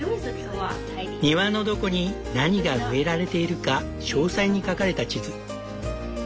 庭のどこに何が植えられているか詳細に描かれた地図。